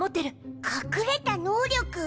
隠れた能力？